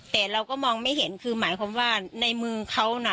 แต่เราก็มองไม่เห็นคือหมายความว่าในมือเขาน่ะ